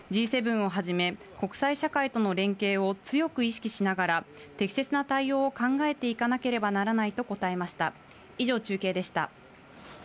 Ｇ７をはじめ、国際社会との連携を強く意識しながら、適切な対応を考えていかなければならないと答えました。